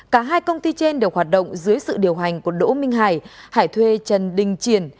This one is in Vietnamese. cả hai công ty trên đều hoạt động dưới sự điều hành của đỗ minh hải hải thuê trần đình triển